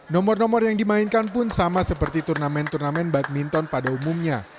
nomor nomor yang dimainkan pun sama seperti turnamen turnamen badminton pada umumnya